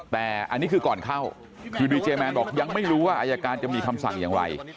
แต่อันนี้คือก่อนเข้าคือดีเจแมนบอกยังไม่รู้ว่าอายการจะมีคำสั่งอย่างไร